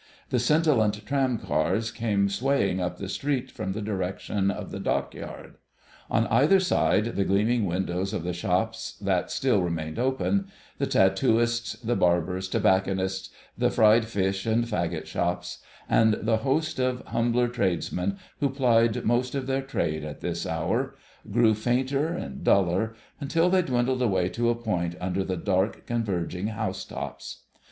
The scintillant tram cars came swaying up the street from the direction of the Dockyard: on either side the gleaming windows of the shops that still remained open—the tattooists, the barbers, tobacconists, the fried fish and faggot shops, and the host of humbler tradesmen who plied most of their trade at this hour—grew fainter and duller, until they dwindled away to a point under the dark converging house tops.